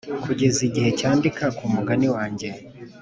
kugeza igihe cyandika kumugani wanjye.